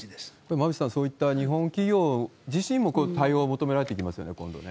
馬渕さん、そういった日本企業自身も対応を求められてきますよね、今度ね。